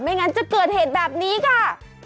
ไม่อย่างนั้นจะเกิดเหตุแบบนี้ค่ะ